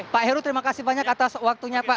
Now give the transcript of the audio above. pak heru terima kasih banyak atas waktunya pak